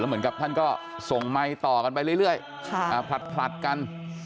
เหมือนกับท่านก็ส่งไมค์ต่อกันไปเรื่อยผลัดกัน